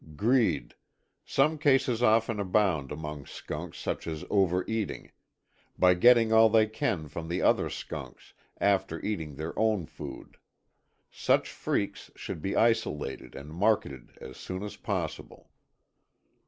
GreedŌĆöSome cases often abound among skunks such as over eating; by getting all they can from the other skunks, after eating their own food. Such freaks should be isolated and marketed as soon as possible.